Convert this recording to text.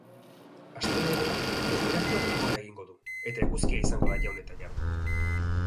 Astelehenean, tenperaturak gora egingo du eta eguzkia izango da jaun eta jabe.